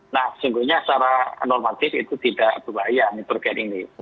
nah sesungguhnya secara normatif itu tidak berbahaya nitrogen ini